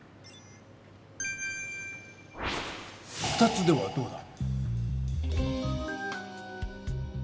２つではどうだ？